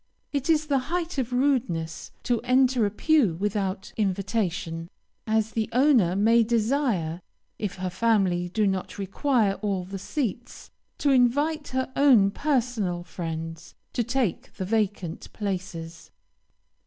It is the height of rudeness to enter a pew without invitation, as the owner may desire, if her family do not require all the seats, to invite her own personal friends to take the vacant places.